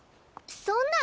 そんな！